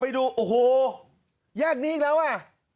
ไปดูโอ้โหแยกนี้อีกแล้วอ่ะ